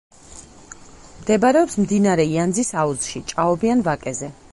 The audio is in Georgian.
მდებარეობს მდინარე იანძის აუზში, ჭაობიან ვაკეზე.